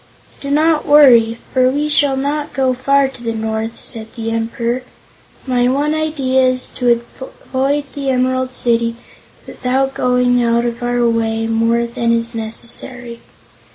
"Do not worry, for we shall not go far to the north," said the Emperor. "My one idea is to avoid the Emerald City without going out of our way more than is necessary.